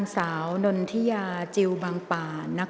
กรรมการท่านแรกนะคะได้แก่กรรมการใหม่เลขกรรมการขึ้นมาแล้วนะคะ